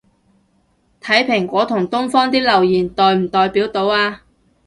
睇蘋果同東方啲留言代唔代表到吖